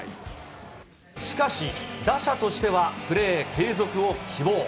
しかし、打者としてはプレー継続を希望。